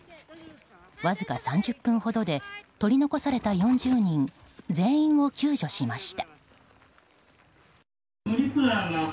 わずか３０分ほどで取り残された４０人全員を救助しました。